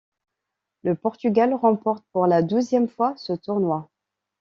Le Portugal remporte pour la douzième fois ce tournoi.